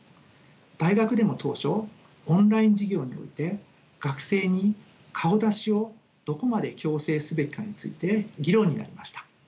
大学でも当初オンライン授業において学生に顔出しをどこまで強制すべきかについて議論になりました。